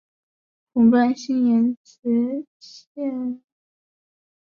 红斑新岩瓷蟹为瓷蟹科新岩瓷蟹属下的一个种。